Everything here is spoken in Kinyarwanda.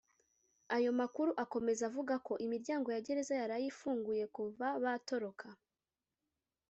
Ayo makuru akomeza avuga ko imiryango ya Gereza yaraye ifunguye kuva batoroka